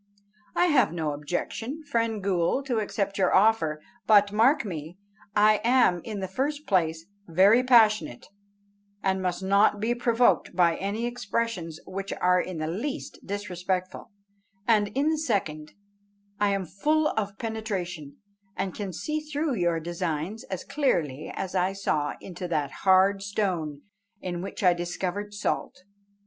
"I have no objection, friend ghool, to accept your offer; but, mark me, I am, in the first place, very passionate, and must not be provoked by any expressions which are in the least disrespectful; and, in the second, I am full of penetration, and can see through your designs as clearly as I saw into that hard stone in which I discovered salt.